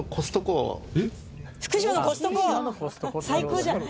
「福島のコストコ」最高じゃん。